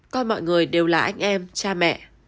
con mọi người đều là anh em cha mẹ